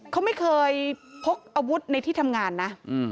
เขาไม่เคยพกอาวุธในที่ทำงานนะ